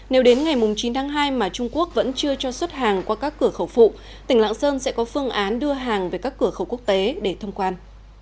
nếu đến ngày chín tháng hai mà trung quốc vẫn chưa cho xuất hàng qua các cửa khẩu phụ tỉnh lạng sơn sẽ có phương án đưa hàng về các cửa khẩu quốc tế để thông quan